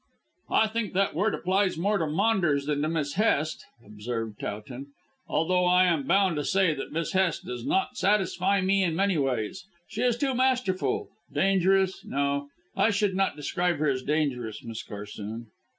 "I think that word applies more to Maunders than to Miss Hest," observed Towton, "although I am bound to say that Miss Hest does not satisfy me in many ways. She is too masterful. Dangerous, no. I should not describe her as dangerous, Miss Corsoon."